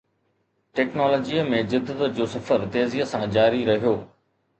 ٽيڪنالاجيءَ ۾ جدت جو سفر تيزيءَ سان جاري رهيو